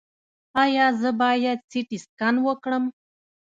ایا زه باید سټي سکن وکړم؟